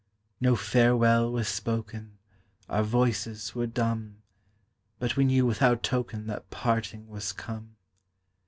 No farewell was spoken, Our voices were dumb, But we knew without token That parting was come.